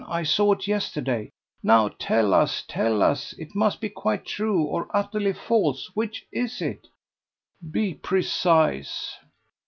I saw it yesterday. Now, tell us, tell us. It must be quite true or utterly false. Which is it?" "Be precise."